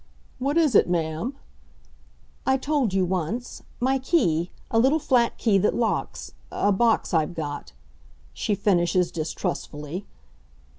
"What is it, ma'am?" "I told you once. My key a little flat key that locks a box I've got," she finishes distrustfully.